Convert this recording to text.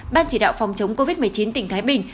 ban chỉ đạo phòng chống covid một mươi chín tỉnh thái bình